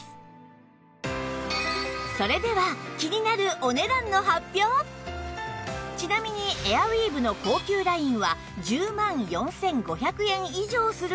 それでは気になるちなみにエアウィーヴの高級ラインは１０万４５００円以上するのですが